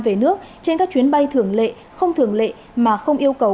về nước trên các chuyến bay thường lệ không thường lệ mà không yêu cầu